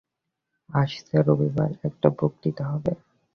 আসছে রবিবার একটা বক্তৃতা হবে।